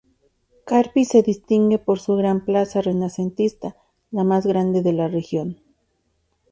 Carpi se distingue por su gran plaza renacentista, la más grande de la región.